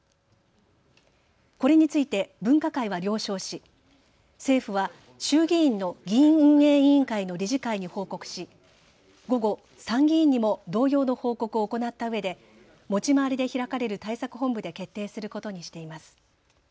これについて分科会は了承し、政府は衆議院の議院運営委員会の理事会に報告し午後、参議院にも同様の報告を行ったうえで持ち回りで開かれる対策本部で決定することにしています。